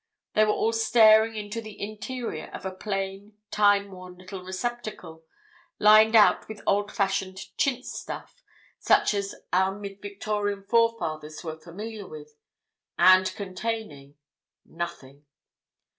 They were all staring into the interior of a plain, time worn little receptacle, lined out with old fashioned chintz stuff, such as our Mid Victorian fore fathers were familiar with, and containing—nothing.